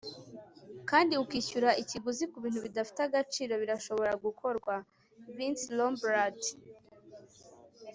kandi ukishyura ikiguzi ku bintu bifite agaciro, birashobora gukorwa. - vince lombardi